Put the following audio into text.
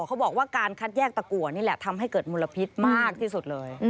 เขาบอกว่าการคัดแยกตะกัวนี่แหละทำให้เกิดมลพิษมากที่สุดเลย